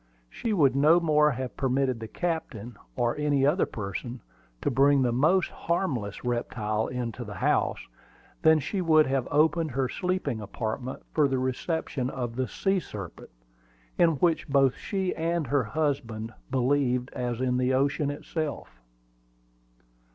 She would no more have permitted the captain, or any other person, to bring the most harmless reptile into the house, than she would have opened her sleeping apartment for the reception of the sea serpent, in which both she and her husband believed as in the ocean itself.